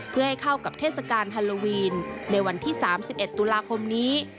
เพื่อให้เข้ากับเทศกาลฮาโลวีนในวันที่๓๑ตุลาคมนี้